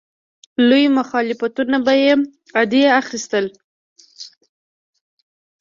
لوی مخالفتونه به یې عادي اخیستل.